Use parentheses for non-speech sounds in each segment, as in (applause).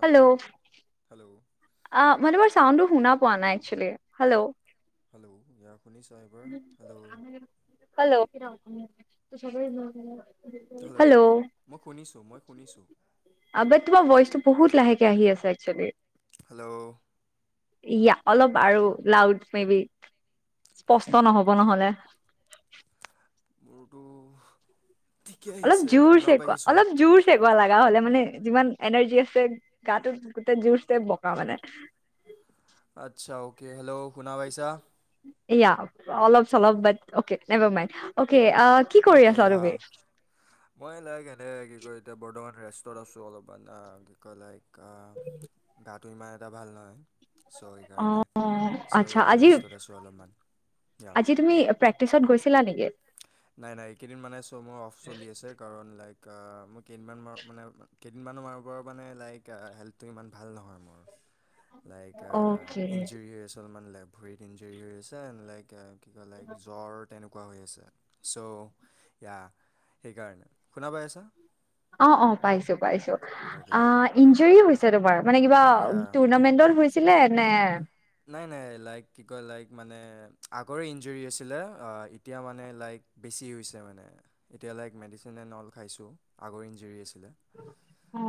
Hello. Hello অহ, মানে মই চাউণ্ডটো শুনা পোৱা নাই actually hello. Hello (unintelligible) hello. (unintelligible) Hello মই শুনিছোঁ, মই শুনিছোঁ। বাট তোমাৰ ভইচটো বহুত লাহেকে আহি আছে একচুৱেলী। হেল্ল'। এইয়া অলপ আৰু লাউড মে বি। স্পষ্ট নহ'ব নহ'লে। মোৰতো ঠিকে অলপ আহিছে জোৰ শুনা চে পাই কোৱা, আছোঁ অলপ জোৰ চে কিবা লাগা হ'লে মানে যিমান এনাৰ্জি আছে গাটোত গোতেই জোৰছে বকা মানে আচ্ছা, অ'কে হেল্ল' শুনা পাইছা? এইয়া অলপ চলপ but okay, never mind okay অ' কি কৰি অ'কে আছা তুমি? আহ মই লাইক এনে কি কয় এতিয়া বৰ্তমান ৰেষ্টত আছোঁ অলপমান আহ ইকঅ লাইক আহ, গাটো ইমান এটা ভাল নহয়। ছ' সেইকাৰণে, অ' ছ' আচ্ছা ইয়া আজি ৰেষ্টত আছোঁ অলপমান ইয়াৰ প্ৰেক্টিছত গৈছিলা নেকি? নাই, নাই এইকেইদিন মানে চ'ব মোৰ অফ চলি আছে কাৰণ লাইক আহ মই কেইদিনমান মা মানে কেইদিনমান মানোৰ পৰা মানে লাইক হেল্থ টো ইমান ভাল নহয় মোৰ লাইক আহ অ'কে ইনজুৰি হৈ আছোঁ অলপমান লেট ভৰিত ইনজুৰি হৈ আছে, লাইক আহ ইফালে জ্বৰ তেনেকুৱা হৈ আছে। ছ ইয়া সেইকাৰণে শুনা পাইছ? অ অহ পাইছো পাইছো। অহ ই বিজয়ী হৈছে তোমাৰ। মানে কিবা য়া টুৰ্ণামেন্টল হৈছিলে নে নাই নাই লাইক কি কয় লাইক মানে আগৰে ইঞ্জৰি আছিলে, এতিয়া মানে লাইক বেছি হৈছে মান, এতিয়া লাইক মেডিচিন এড অ'ল খাইছোঁ, আগৰ ইঞ্জৰি আ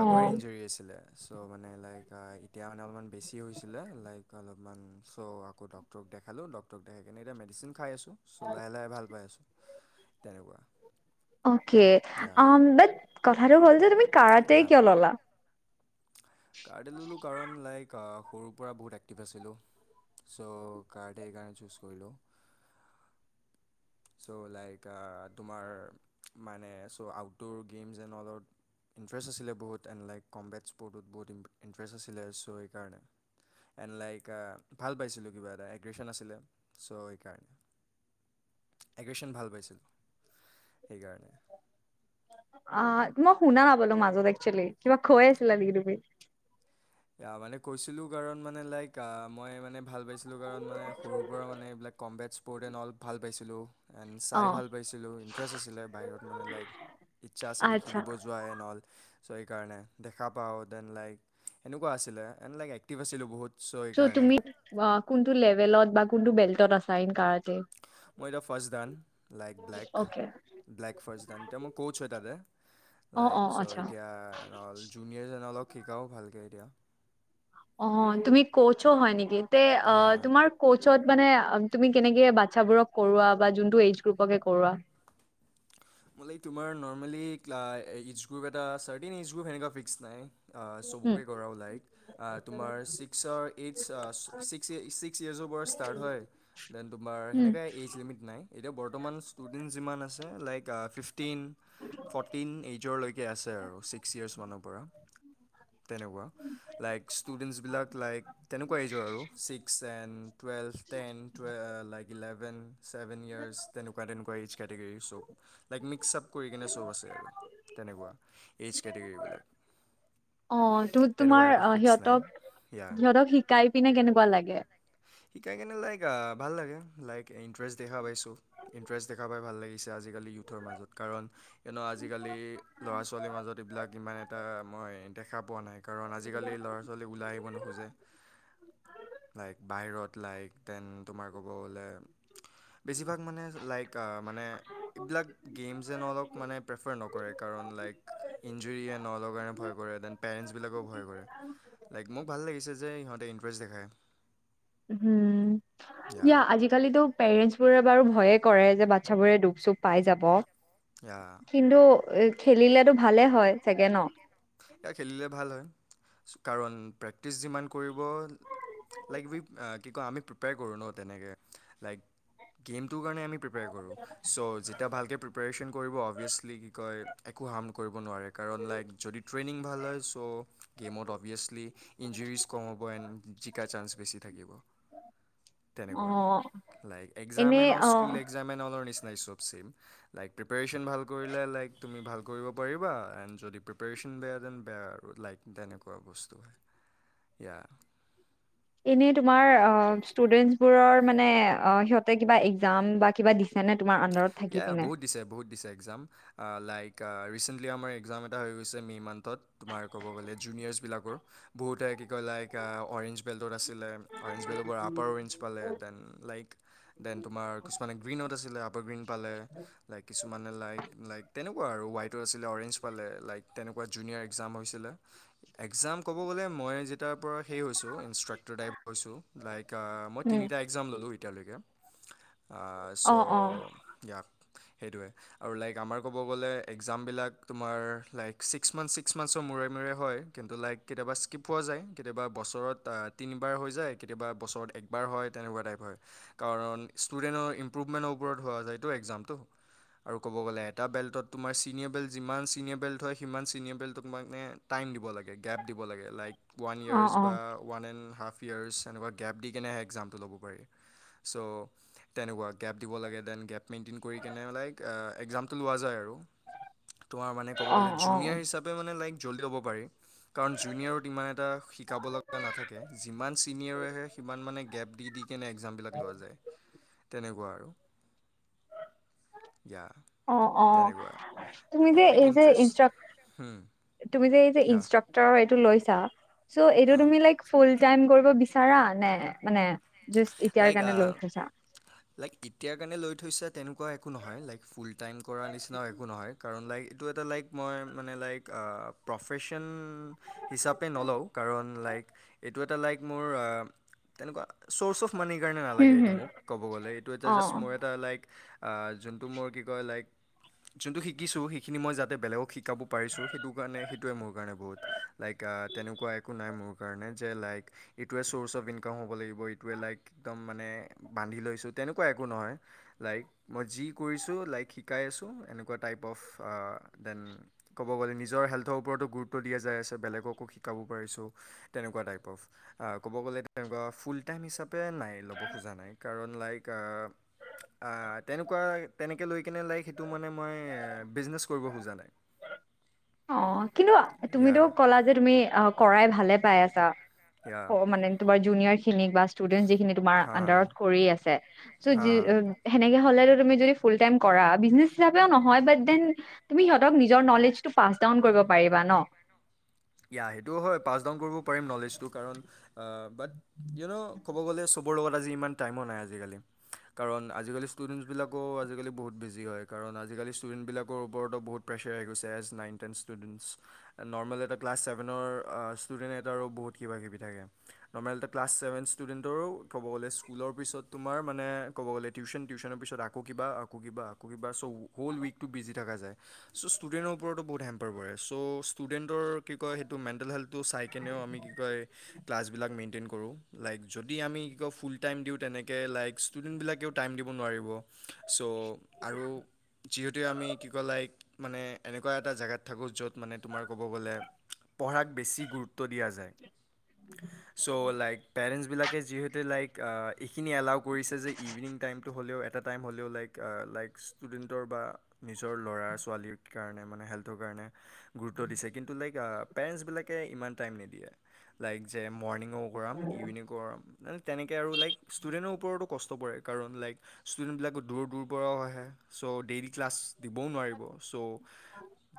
আগৰে ইঞ্জৰি আছিলে। চ' মানে লাইক এতিয়া মানে অলপমান বেছি হৈছিলে লাইক চ' আকৌ ডাক্তৰ দেখালো ডাক্তৰক দেখাই কিনে এতিয়া মেডিচিন খাইছো। চ' লাহে লাহে ভাল পাই আছোঁ। তেনেকুৱা। অকে ইয়া আহ বাট, কথাটাটো যে তুমি কাৰাটেই ইয়া কিয় ল'লা? কাৰাটে ললোঁ কাৰণ লাইক আহ সৰুৰ পৰা বহুত এক্টিভ আছিলোঁ, ছ' কাৰাটে এইকাৰণে চুজ কৰিলোঁ, চ' লাইক আহ তোমাৰ মানে চ' আউটড'ৰ গেমছ এড অলত ইণ্টাৰেষ্ট আছিলে বহুত এণ্ড লাইক কম্বেটছ স্পৰ্টত বহুত ইণ্টাৰেষ্ট আছিলে চ' সেইকাৰণে এণ্ড লাইক ভাল পাইছিলোঁ কিবা এটা, এগ্ৰে্ছন আছিলে চ' সেইকাৰণে এগ্ৰে্ছন ভাল পাইছিলোঁ সেইকাৰণে। অ', মই শুনা নাপালোঁ মাজত একছুৱেলী, কিবা কই আছিলা নেকি তুমি? য়াহ মানে কৈছিলো কাৰণ মানে লাইক আহ মই মানে ভাল পাইছিলো কাৰণ মানে সৰুৰ পৰা মানে এইবিলাক কম্বেটছ স্পট এণ্ড অল ভাল পাইছিলোঁ। এন চাই অ', ভাল পাইছিলোঁ, ইণ্টাৰেষ্ট আছিলে, বাহিৰত মানে লাইক ইচ্ছা আছিলে আচ্ছা খেলিব যোৱ এন অল। চ' সেইকাৰণে দেখা পাওঁ দেন লাইক সেনেকুৱা আছিলে এণ্ড লাইক এক্টিভ আছিলোঁ বহুত। চ' তুমি আ কোনটো লেবেলত বা কোনটো বেল্টত আছা ইন কাৰা মই এতিয়া first dan, like black okay black first dan এতিয়া মই কোচ হয় তাতে, অ', লাইক অ', চ' আচ্ছা এতিয়া জুনিয়ৰছ এন অলক শিকাওঁ ভালকৈ এতিয়া। অ', তুমি কচও হয় নেকি? তে আহ ইয়া তোমাৰ ক চ' মানে তুমি কেনেকে বাচ্ছাবোৰক কৰোৱা বা যোনটো এইজ গ্ৰুপকে কৰোৱা। মানে তোমাৰ নৰ্মেলি ক্লা এইজ গ্ৰুপ এটা চাৰ্তেইন এইজ গ্ৰুপ সেনেকা ফিক্স নাই। আহ উম, চবকে কৰাও লাইক আহ তোমাৰ চি চাৰ এইট চাৰ আহ ছিক্স ছিক্স য়াৰছৰ পৰা ষ্টাৰ্ট হয়, ডেন তোমাৰ উম। সেনেকা এইজ লিমিট নাই, এতিয়া বৰ্ত বৰ্তমান ষ্টুডেন্ট যিমান আছে, লাইক তা ফিফটিন, ফৰ্টিন এইজ'লৈকে আছে আৰু ছিক্স ইয়াৰ্ছ মানৰ পৰা তেনেকুৱা, লাইক ষ্টুডেণ্টছবিলাক লাইক তেনেকুৱা এইজৰ আৰু ছিক্স এণ্ড টুৱেলভ, টেন টুয়ে লাইক ইলেভেন ছেভেন ইয়াৰছ তেনেকুৱা তেনেকুৱা এইজ কেটেগৰীৰ চব। লাইক মিক্স আপ কৰি কেনে চব আছে আৰু, তেনেকুৱা এইজ কেটেগৰী অ তো তেনেকুৱা তোমাৰ একো অ ফিক্স নাই, সিহঁতক য়াহ সিহঁতক শিকাই পিনে কেনেকুৱা লাগে শিকাই কেনে লাইক ভাল লাগে। লাইক ইন্টাৰেষ্ট দেখা পাইছো, ইন্টাৰেষ্ট দেখা পাই ভাল লাগিছে আজি। আজিকালি ইউথৰ মাজত, কাৰণ এনেও আজিকালি ল'ৰা ছোৱালীৰ মাজত এইবিলাক ইমান এটা মই দেখা পোৱা নাই কাৰণ আজিকালি ল'ৰা ছোৱালী ওলাই আহিব নোখোজে, লাইক বাহিৰত লাইক দেন তোমাৰ ক'ব গ'লে বেছিভাগ মানে লাইক আ মানে এইবিলাক গেমছ এন অলক মানে প্ৰেফাৰ নকৰে কাৰণ লাইক ইঞ্জৰি এন অলৰ কাৰণে ভয় কৰে দেন পেৰেন্টছবিলাকেও ভয় কৰে লাইক মোক ভাল লাগিছে যে সিহঁতে ইণ্টাৰেষ্ট দেখায়। হম, ইয়া আজিকালিটো পেৰেন্টছবোৰে বাৰু ভয়ে কৰে যে বাচ্ছাবোৰে দুখ চুখ পাই যাব। ইয়া কিন্তু এ খেলিলেতো ভালে হয় চাগে ন। এয়া খেলিলে ভাল হয়। কাৰণ প্ৰেক্টিচ যিমান কৰিব লাইক বি কি কয় আমি প্ৰিপেয়াৰ কৰোঁ ন তেনেকে লাইক গেম টো কাৰণে আমি প্ৰিপেয়াৰ কৰো, চ' যেত এতিয়া ভালকে প্ৰিপেৰেছন কৰিব অভিয়াছলি কি কয় একো হাৰ্ম কৰিব নোৱাৰে কাৰণ লাইক যদি ট্ৰেইনিং ভাল হয় চ' গে'মত অভিয়াছলি ইঞ্জুৰিছ কম হ'ব এণ্ড জিকা চাস বেছি থাকিব, অ তেনেকুৱা লাইক এক্জাম এনে এণ্ড অল অ স্কুল একসাম এণ্ড অলৰ নিচ (unintelligible) লাইক প্ৰিপেৰেচন ভাল কৰিলে লাইক তুমি ভাল কৰিব পাৰিবা এণ্ড যদি প্ৰিপেৰেছ (unintelligible) লাইক তেনেকুৱা বস্তু (unintelligible) এনে তোমাৰ অ' ষ্টুডেন্টছ বোৰৰ মানে অ' সিহঁতে কিবা এক্জাম বা কিবা দিছে নে তোমাৰ আনদাৰত ইয়া থাকি পিনে। বহুত দিছে বহুত দিছে এক্সাম আ লাইক ৰিচেণ্টলি আমাৰ এক্সাম এটা হৈ গৈছে মে' মান্থত তোমাৰ ক'ব গ'লে জুনিয়াৰ্চবিলাকৰ বহুতে কি কয় লাইক আ অৰেঞ্জ বেল্টত আছে (unintelligible) অৰেঞ্জ বেল্টৰ পৰা আপাৰ অৰেঞ্জ পালে, ডেন লাইক ডেন তোমাৰ কিছুমানে গ্ৰীনত আছিলে আপাৰ গ্ৰীণ। লাইক কিছুমানে লাইক তেনেকুৱা আৰু হোৱাইটো আছিলে অৰেঞ্জ পালে লাইক তেনেকুৱা জুনিয়ৰ এক্সাম হৈছিলে, এক্সাম ক'ব গ'লে মই যেতিয়াৰ পৰা সেই হৈছোঁ ট্ৰেক্টৰ ড্ৰাইভ হৈছো লাইক আ মই উম তিনিটা এক্জাম ল'লোৱে। এতিয়ালৈকে আ অ অ চ' (unintelligible) সেইটোৱে আৰু লাইক আমাৰ ক'ব গ'লে এক্সামবিলাক তোমাৰ লাইক ছিক্স মান্থ - ছিক্স মান্থছৰ মূৰে- মূৰে হয়, কিন্তু লাইক কেতিয়াবা স্কিপ হোৱা যায় কেতিয়াবা বছৰত আ তিনিবাৰ হৈ যায় কেতিয়াবা বছৰত একবাৰ হয় তেনেকুৱা টাইপ হয়, কাৰণ ষ্টুডেণ্টৰ ইমপ্ৰুভমেণ্টৰ ওপৰত হোৱা যায়। এইটো এক্জামটো আৰু ক'ব গ'লে এটা বেল্টত তোমাৰ চিনিয়ৰ বেল্ট যিমান চিনিয়ৰ বেল্ট হয় সিমান চিনিয়ৰ বেল্ট তোমাক নে টাইম দিব লাগে। গেপ দিব লাগে, লাইক ৱান অ ইয়েৰ্ছ অ বা ৱান এণ্ড হাফ ইয়েৰচ এনেকুৱা গেপ দি কিনে এক্সামটো ল'ব পাৰি, চ' তেনেকুৱা গেপ দিব লাগে ডেন গেপ মেইনটেইন কৰি কেনে লাইক একজামটো লোৱা যায় আৰু। তোমাৰ মানে ক'ব অ অ গ'লে জুনিয়ৰ হিচাপে মানে লাইক জলদি হ'ব পাৰি কাৰণ জুনিয়ৰৰত ইমান এটা শিকাব লগা নাথাকে, যিমান ছিনিয়ৰে আহে সিমান মানে গেপ দি- দি কেনে একজামবিলাক লোৱা যায় তেনেকুৱা আৰু ইয়া অ', -অ', তেনেকুৱা তুমি যে লাইক এই যে ইণ্টাৰেষ্ট ইনষ্টাক, হুম ইয়া ইনষ্ট্ৰাকতৰ এইটো লৈছা ছা চ' এইটো হা তুমি লাইক ফুল ৰিটাৰ্ণ কৰিব বিচাৰা নে মানে জাষ্ট এতিয়াৰ লাইক কাৰণে লৈ আহ থৈছা? লাইক এতিয়াৰ কাৰণে লৈ থৈছা। তেনেকুৱা একো নহয়, লাইক ফুল টাইম কৰা নিচিনাও একো নহয়। কাৰণ লাইক এইটো এটা লাই, মই মানে লাইক প্ৰফেশ্বন হিচাপে নলওঁ, কাৰণ লাইক এইটো এটা লাইক মোৰ তেনেকুৱা চৰ্জ অফ। মানিৰ কাৰণে হুম নালাগে, এইটো হুম মোক ক'ব গ'লে এইটো এটা অ জাষ্ট মই এটা লাইক যোনটো মোৰ কি কয় লাইক যোনটো শিকিছো, সেইখিনি মই যাতে বেলেগক শিকাব পাৰিছো, সেইটো কাৰণে সেইটোৱে মোৰ কাৰণে বহুত লাইক তেনেকুৱা একো নাই মোৰ কাৰণে, যে লাইক এইটোৱে চ'ৰ্চ অফ ইনকাম হ'ব লাগিব। টোৱে লাইক একদম মানে বান্ধি লৈছো তেনেকুৱা একো নহয়। লাইক মই যি কৰিছো লাইক শিকাই আছো। এনেকুৱা টাইপ অফ দেন ক'ব গ'লে নিজৰ হেল্থৰ ওপৰতো গুৰুত্ব দিয়া যায় আছে বেলেগকো শিকাব পাৰিছো তেনেকুৱা টাইপ অফ ক'ব গ'লে তেনেকুৱা ফুল (unintelligible) নাই ল'ব খোজা নাই কাৰণ লাইক তেনেকুৱা তেনেকৈ লৈ কিনে লাইক, সেইটো মানে মই বিজনেছ কৰিব খোজা নাই। অ' কিন্তু ইয়া তুমিতো ক'লা যে তুমি আহ কৰাই ভালে পাই আছা। ইয়া অ' মানে তোমাৰ জুনিয়ৰ। খিনিক বা ষ্টুডেণ্ট যিখিনি তোমাৰ হা আণ্ডাৰত কৰি আছে, চ' হা যি হা সেনেকে হ'লে তুমি যদি ফুল টাইম হিচাপে কৰা, বিজনেছ বুলিও নহয় বাট ডেন তুমি সিহঁতক নিজৰ নলেজ টো পাষ্ট ডাউন কৰিব পাৰিবা ন'। ইয়া, সেইটোও হয়। পাছ ডাউন কৰিব পাৰিম নলেজটো কাৰণ বাট ইউ ন ক'ব গ'লে চব ওপৰ লগত আজি ইমান টাইমো নাই, আজিকালি কাৰণ আজিকালি ষ্টুডেণ্টছবিলাকো আজিকালি বহুত বিজি হয়। কাৰণ আজিকালি ষ্টুডেণ্টবিলাকৰ ওপৰতো বহুত প্ৰেছাৰ আহি গৈছে। As nine, ten students normal এটা ক্লাছ ছেভেনৰ ষ্টুডেণ্ট এটাৰো বহুত কিবা-কিবি থাকে। নৰ্মেল এটা ক্লাছ ছেভেন ষ্টুডেটৰো ক'ব গ'লে স্কুলৰ পিছত তোমাৰ মানে ক'ব গ'লে টিউচন, টিউচনৰ পিছত আকৌ কিবা, আকৌ কিবা, আকৌ কিবা বা চ' হ'ল উইকটো বিজি থকা যায় ছ' ষ্টুডেণ্টৰ ওপৰতো বহুত হেম্পাৰ পৰে চ' ষ্টুডেণ্টৰ। কি কয় সেইটো মেণ্টেল হেল্থটো চাই কেনেও আমি কি কয় ক্লাছবিলাক মেইনটেইন কৰো। লাইক যদি আমি কি কয় ফুল টাইম দিও, তেনেকৈ লাইক ষ্টুডেণ্টবিলাকেও টাইম দিব নোৱাৰিব। চ' আৰু যিহেতুে আমি কি কয় লাইক মানে এনেকুৱা এটা জেগাত থাকো, য'ত মানে তোমাৰ ক'ব গ'লে পঢ়াক বেছি গুৰুত্ব গুৰুত্ব দিয়া যায়, চ' লাইক পেৰেনচ বিলাক এই যিহেতু লাইক এইখিনি এলাও কৰিছে যে ইভিনিং টাইমটো হ'লেও এটা এটা টাইম হ'লেও লাইক লাইক ষ্টুডেণ্টৰ বা নিজৰ ল'ৰা ছোৱালীৰ কাৰণে মানে হেল্থৰ কাৰণে গুৰুত্ব দিছে কিন্তু লাইক ইয়াৰ, পেৰেণ্টচবিলাকে ইমান টাইম নিদিয়ে, লাইক যে মৰ্ণিং ন কৰাম ইভিনিং কৰাম মানে তেনেকৈ আৰু লাইক ষ্টুডেণ্টৰ ওপৰতো কষ্ট পৰে, কাৰণ লাইক ষ্টুডেণ্টবিলাকো দূৰ দূৰ পৰাও আহে চ' ডেইলী ক্লাছ দিবও নোৱাৰিব। চ',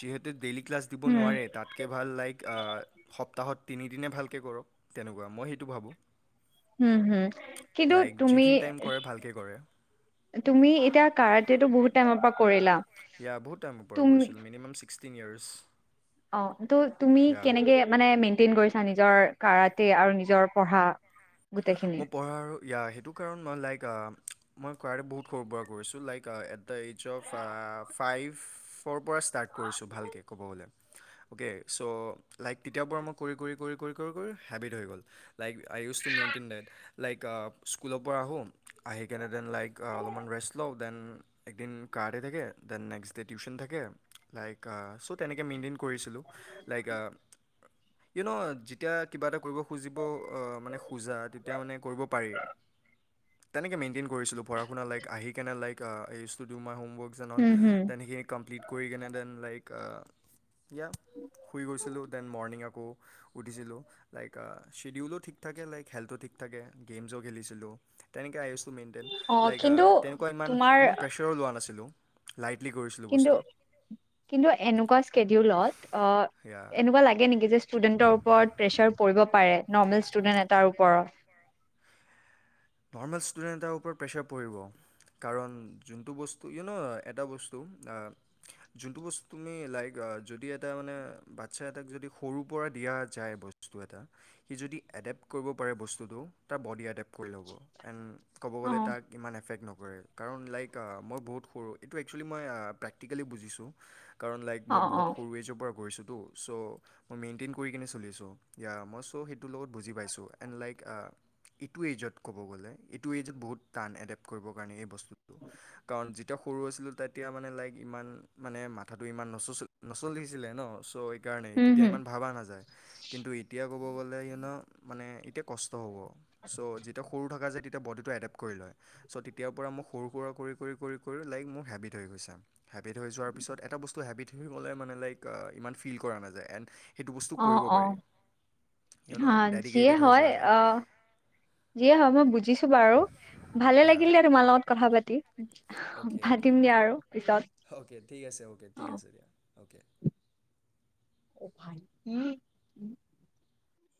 যিহেতু ডেইলী ক্লাছ দিব উম। নোৱাৰে তাত লাইক সপ্তাহত তিনিদিনে ভালকৈ কৰক, তেনেকুৱা। মই সেইটো ভাবোঁ। উম, হুম। কিন্তু লাইক তুমি, যিখিনি টাইম কৰে ভালকৈ কৰে তুমি এতিয়া কাৰাতেতো বহুত টাইমৰ পৰা কৰিলা ইয়া, বহুত টাইমৰ পৰা তুমি কৰিছিলোঁ, মিনিমাম চিক ছিক্সটিন ইয়াৰছ অ', ত' তুমি কেনেকে মানে মেইনটেইন কৰিছা নিজৰ কাৰাট তে আৰু নিজৰ পঢ়া। গোটেইখিনি? মই পঢ়াৰ সেইটো কাৰণ মই লাইক (unintelligible) মই কাৰাটে বহুত সৰুৰ পৰা কৰিছোঁ like at the age of ফাইভৰ পৰা ষ্টাৰ্ট কৰিছোঁ ভালকৈ ক'ব গ'লে অ'কে ছ' লাইক তেতিয়াৰ পৰা মই কৰি কৰি কৰি কৰি কৰি কৰি হেবিট হৈ গ'ল লাইক আ use to maintain that like স্কুলৰ পৰা আহোঁ আহি কেনে দেন লাইক অলপমান ৰেষ্ট লওঁ দেন একদিন কাৰাটে থাকে, দেন নেক্সট ডে টিউশন থাকে লাইক চ তেনেকে মেইন্টেইন কৰিছিলোঁ, লাইক আ ইউ নো যেতিয়া কিবা এটা কৰিব খুজিব অ মানে খোজা তেত তেতিয়া মানে কৰিব পাৰি। তেনেকৈ মেইনটেইন কৰিছিলোঁ, পঢ়া শুনা লাইক, আহি কেনে লাইক, আ‌ (unintelligible) উম হুম। (unintelligible) দেন সেইখিনি কমপ্লিট কৰি কিনে দেন লাইক, আ ইয়া শুই গৈছিলোঁ দেন মৰ্ণিং আকৌ উঠিছিলো লাইক শ্বিডিউলো ঠিক থাকে লাইক হেল্থো ঠিক থে গেম খেলিছিলো তেনে, টু মেইনটেইন, অ লাইক কিন্তু তেনেকুৱা ইমান-ইমান প্ৰেছাৰো লোৱা নাছিলোঁ। লাইট কিন্তু-কিন্তু এনেকুৱা স্কেদ্যুলত অ', সেয়া এনেকুৱা লাগে নেকি যে ষ্টুদেন্তৰ উপৰত প্ৰেছাৰ পৰিব পাৰে নেকি? ষ্টুডেন্ট এটাৰ ওপৰত নৰ্মেল ষ্টুডেণ্ট এটাৰ ওপৰত প্ৰেছাৰ পৰিব। কাৰণ যোনটো বস্তু, ইও ন', এটা বস্তু, আ যোনটো বস্তু তুমি লাইক যদি এটা মানে বাচ্ছা এটাক যদি সৰুৰ পৰা দিয়া যায় বস্তু এটা, সি যদি এডেপ্ট কৰিব পাৰে বস্তুটো, তাৰ বডি এডেপ্ট কৰি এন্ড, ক'ব অ গ'লে তাক ইমান এফেক্ট নক কৰে কাৰণ লাইক মই বহুত সৰু এইটো একচেলি মই প্ৰেক্টিকেলি বুজিছো। কাৰণ লাইক অ মই অ বহুত সৰুৱেজৰ পৰা কৰিছো। চ', মই মেইনটেইন কৰি কিনে চলি আছোঁ, য়া, মই চ' সেইটোৰ লগত বুজি পাইছোঁ, এণ্ড লাইক আ, ইটো এইজত ক'ব গ'লে এইটো এইজত বহুত টান এডেপ্ট কৰিবৰ কাৰণে এই বস্তুটো কাৰণ যেতিয়া সৰু আছিলো তেতিয়া মানে লাইক ইমান মানে মাথাটো ইমান নচচ নচলিখিছিলে ন চ সেইকাৰণে হুম তেতিয়া হুম ইমান ভবা নাযায়, কিন্তু এতিয়া ক'ব গ'লে ইয় ন মানে এতিয়া কষ্ট হ'ব চ যিত তেতিয়া সৰু থকা যে তেতিয়া বডিটো এডেপ্ট কৰি লয়। চ' তেতিয়াৰ পৰা মোক সৰু সুৰা কৰি কৰি কৰি লাইক মোৰ হেবিট হৈ গৈছে। হেবিট হৈ যোৱাৰ পিছত এটা বস্তু হেবিট হৈ গ'লে মানে লাইক ইমান ফিল কৰা নাযায় এণ্ড। সেইটো বস্তু অ কৰিব অ পাৰি, কিয়নো আ, যিয়ে ডেডিকেটেড হৈ হয় যোৱা যায়। অ যিয়ে হয় মই বুজিছো বাৰু ভালে সেয়া লাগিল দ তোমাৰ লগত কথা পাতি। অ'কে অ'কে ভাতিম দিয়া আৰু পিছত। অকে ঠিক আছে অকে অ। ঠিক আছে দিয়া। অকে। উম উম।